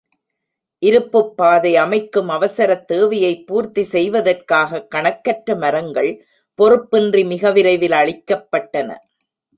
இருப்புப்பாதை அமைக்கும் அவசரத் தேவையைப் பூர்த்தி செய்வதற்காகக் கணக்கற்ற மரங்கள் பொறுப்பின்றி மிக விரைவில் அழிக்கப்பட்டன.